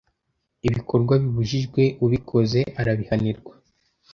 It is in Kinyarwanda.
ibikorwa bibujijwe ubikoze arabihanirwa